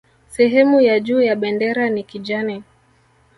Sehemu ya juu ya bendera ni kijani